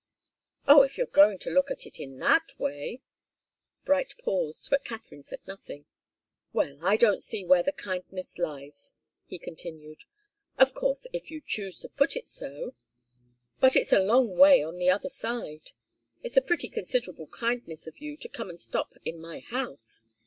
"Oh if you're going to look at it in that way!" Bright paused, but Katharine said nothing. "Well, I don't see where the kindness lies," he continued. "Of course, if you choose to put it so but it's a long way on the other side. It's a pretty considerable kindness of you to come and stop in my house.